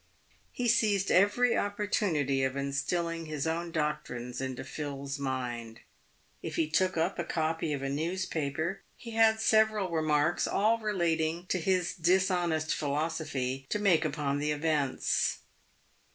He seized every opportunity of instilling his own doctrines into Phil's mind. If he took up a copy of a newspaper, he had several remarks, all relating to his dishonest philosophy, to make upon the events.